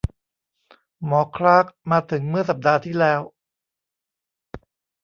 หมอคลาร์กมาถึงเมื่อสัปดาห์ที่แล้ว